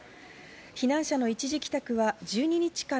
避難者の一時帰宅は１２日から